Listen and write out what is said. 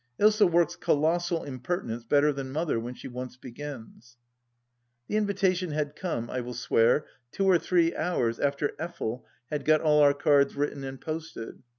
Ilsa works colossal impertin ence better than Mother, when she once begins. The invitation had come, I will swear, two or three hours after Effel had got all our cards written and posted.